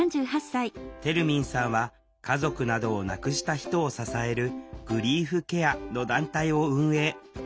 てるみんさんは家族などを亡くした人を支える「グリーフケア」の団体を運営。